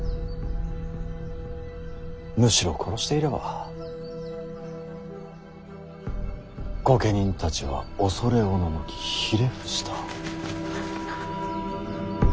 むしろ殺していれば御家人たちは恐れおののきひれ伏した。